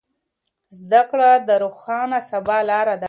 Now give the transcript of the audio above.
زده کړه د روښانه سبا لاره ده.